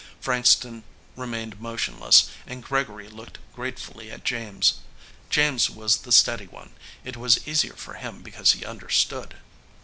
Frankston remained motionless and Gregory looked gratefully at James. James was the steady one. It was easier for him because he understood.